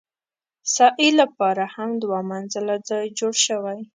سعې لپاره هم دوه منزله ځای جوړ شوی.